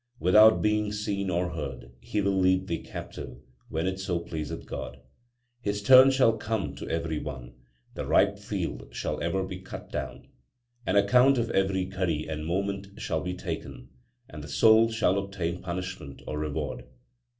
Without being seen or heard he will lead thee captive, when it so pleaseth God. His turn shall come to every one ; the ripe field shall ever be cut down. An account of every ghari and moment shall be taken, and the soul shall obtain punishment or reward.